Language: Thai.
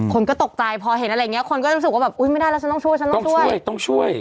คนก็ตกใจพอเห็นอะไรอย่างเงี้คนก็รู้สึกว่าแบบอุ๊ยไม่ได้แล้วฉันต้องช่วยฉันต้องช่วยต้องช่วย